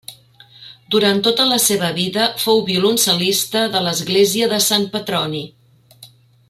Durant tota la seva vida fou violoncel·lista de l'església de sant Petroni.